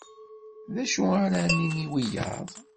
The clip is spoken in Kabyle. D acu ara nini i wiyaḍ